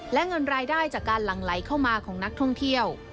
และเงินรายได้จากการหลั่งไหลเข้ามาของนักท่องเที่ยว